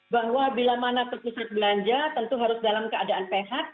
bahwa bila mana ke pusat belanja tentu harus dalam keadaan sehat